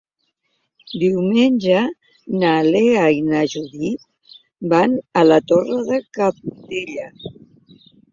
Diumenge na Lea i na Judit van a la Torre de Cabdella.